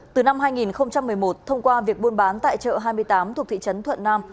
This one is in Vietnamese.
từ năm hai nghìn một mươi một thông qua việc buôn bán tại chợ hai mươi tám thuộc thị trấn thuận nam